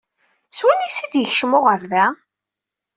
S wanisa d-yekcem uɣerda-a?